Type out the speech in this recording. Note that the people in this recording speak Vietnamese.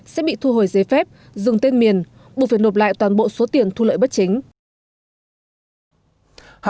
sẽ bị thu hồi giấy phép dừng tên miền buộc phải nộp lại toàn bộ số tiền thu lợi bất chính